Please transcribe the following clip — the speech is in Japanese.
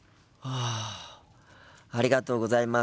ありがとうございます。